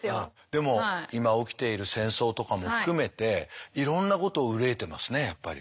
でも今起きている戦争とかも含めていろんなことを憂いてますねやっぱり。